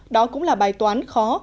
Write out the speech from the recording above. đó cũng là bài toán khó